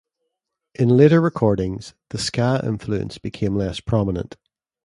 In later recordings, the ska influence became less prominent.